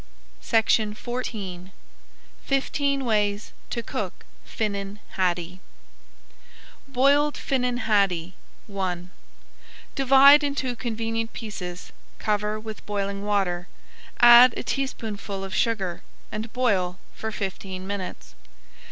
[Page 131] FIFTEEN WAYS TO COOK FINNAN HADDIE BOILED FINNAN HADDIE I Divide into convenient pieces, cover with boiling water, add a teaspoonful of sugar, and boil for fifteen minutes.